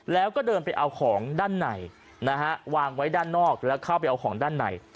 แล้วก็เดินไปเอาของด้านในนะฮะวางไว้ด้านนอกแล้วเข้าไปเอาของด้านใน